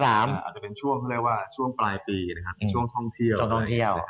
อาจจะเป็นช่วงเขาเรียกว่าช่วงปลายปีนะครับเป็นช่วงท่องเที่ยว